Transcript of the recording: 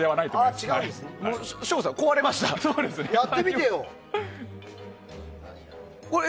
やってみてよ。